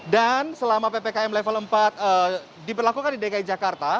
selama ppkm level empat diberlakukan di dki jakarta